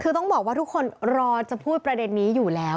คือต้องบอกว่าทุกคนรอจะพูดประเด็นนี้อยู่แล้ว